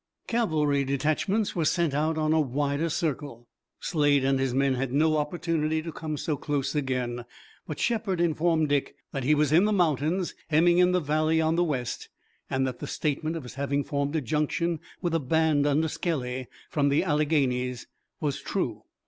Cavalry detachments were sent out on a wider circle. Slade and his men had no opportunity to come so close again, but Shepard informed Dick that he was in the mountains hemming in the valley on the west, and that the statement of his having formed a junction with a band under Skelly from the Alleghanies was true.